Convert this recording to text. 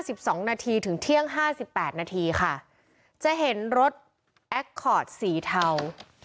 สิบสองนาทีถึงเที่ยงห้าสิบแปดนาทีค่ะจะเห็นรถแอคคอร์ดสีเทา